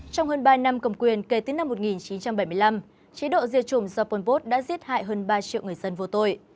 trong hơn ba năm cầm quyền kể từ năm một nghìn chín trăm bảy mươi năm chế độ diệt chủng japon pot đã giết hại hơn ba triệu người dân vô tội